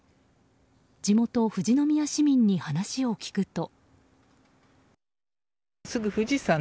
地元・富士宮市民に話を聞くと。